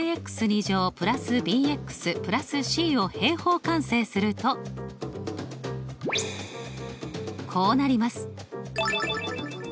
を平方完成するとこうなります。